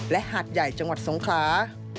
และหาดใหญ่จังหวัดสงขลา